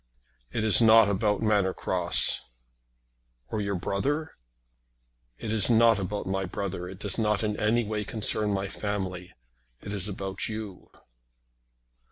"It is not about Manor Cross." "Or your brother?" "It is not about my brother; it does not in any way concern my family. It is about you."